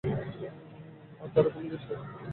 আর তারা কোন দেশের।